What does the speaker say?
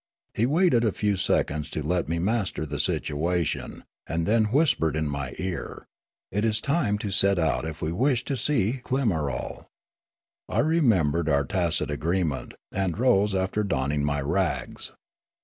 He waited a few seconds to let me master the situation, and then whispered in my ear :" It is time to set out if we wish to see Klimarol." I remembered our tacit agreement, and rose after don ning my rags.